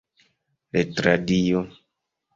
retradio